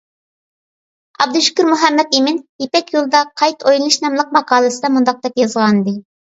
ئابدۇشۈكۈر مۇھەممەتئىمىن «يىپەك يولىدا قايتا ئويلىنىش» ناملىق ماقالىسىدە مۇنداق دەپ يازغانىدى.